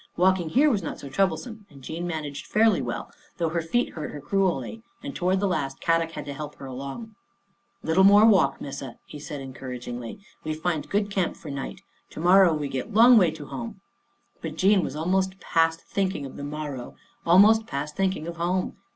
Walking here was not so troublesome and Jean managed fairly well, though her feet hurt her cruelly and toward the last Kadok had to help her along. 1 Woman. Jean Finds a Friend 87 " Little more walk, Missa," he said encour agingly. " We find good camp for night. To morrow we get long way to home." But Jean was almost past thinking of the morrow, almost past thinking of home.